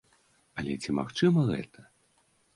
Але ці магчыма гэта?